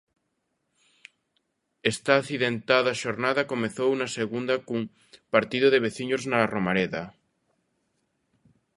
Esta accidentada xornada comezou na segunda cun partido de veciños na Romareda.